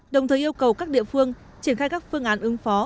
đồng thời yêu cầu các địa phương triển khai các phương án ứng phó